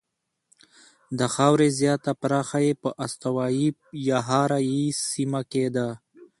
د خاورې زیاته برخه یې په استوایي یا حاره یې سیمه کې ده.